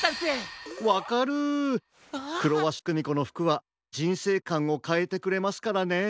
わかるクロワシクミコのふくはじんせいかんをかえてくれますからね。